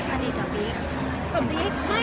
แต่วันนั้นเขาชิ้นไปที่นั่นอยู่แล้ว